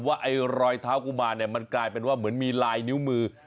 ไอ้รอยเท้ากุมารเนี่ยมันกลายเป็นว่าเหมือนมีลายนิ้วมือ